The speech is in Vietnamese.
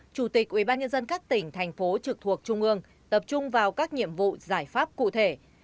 chủ tịch ubnd các tỉnh thành phố trực thuộc trung ương tập trung vào các nhiệm vụ giải pháp cụ thể